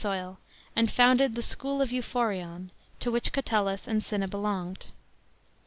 xt soil, and founded " the school of Euphorion," to which Catullus and Cinna belonged.